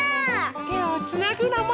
てをつなぐのも。